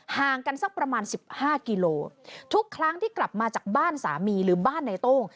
ห่างกันสักประมาณสิบห้ากิโลทุกครั้งที่กลับมาจากบ้านสามีหรือบ้านในโต้ง